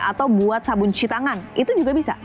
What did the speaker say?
atau buat sabun cuci tangan itu juga bisa